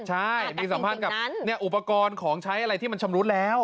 ใช่มีสัมพันธ์กับอุปกรณ์ของใช้อะไรที่มันชำรุดแล้ว